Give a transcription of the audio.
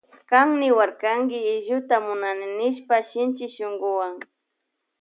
Kan niwarkanki illuta munani nishpa shinchi shunkuwan.